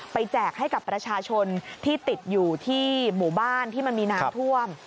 แจกให้กับประชาชนที่ติดอยู่ที่หมู่บ้านที่มันมีน้ำท่วม